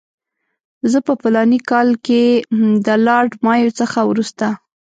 زه په فلاني کال کې د لارډ مایو څخه وروسته.